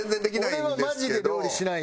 俺はマジで料理しないんで。